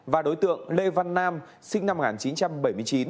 và đối tượng lê văn nam sinh năm một nghìn chín trăm bảy mươi chín